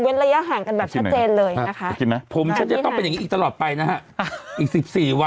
นุ้ยระยะห่างกันแบบชัดเจนเลยนะคะ